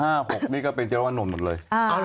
อันดับ๔๕๖นี่ก็เป็นเจราวนด์หมดเลย